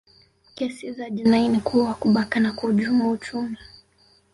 kesi za jinai ni kuua kubaka na kuhujumu uchumi